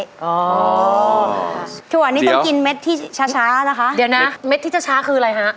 ทุกวันนี้ต้องกินเม็ดที่ช้าช้านะคะเดี๋ยวนะเม็ดที่จะช้าคืออะไรฮะ